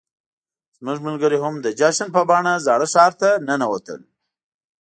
زموږ ملګري هم د جشن په بڼه زاړه ښار ته ننوتل.